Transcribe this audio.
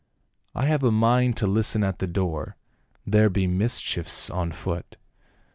" I have a mind to listen at the door ; there be mis chiefs on foot."